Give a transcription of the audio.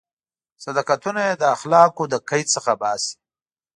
صداقتونه یې له اخلاقو له قید څخه باسي.